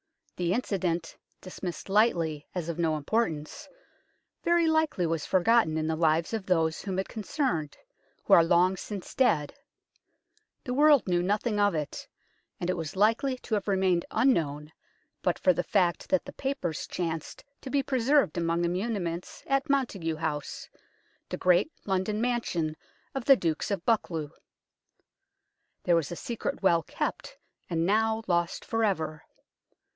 The incident, dismissed lightly as of no importance, very likely was forgotten in the lives of those whom it concerned, who are long since dead : the world knew nothing of it, and it was likely to have remained unknown but for the fact that the papers chanced to be pre served among the muniments at Montagu House, the great London mansion of the Dukes of Buccleuch. There was a secret well kept, and now lost for ever.